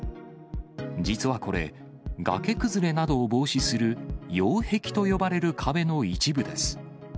実はこれ、崖崩れなどを防止する、擁壁と呼ばれる壁の一部です。